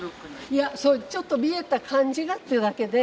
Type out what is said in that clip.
いやちょっと見えた感じがって言うだけで。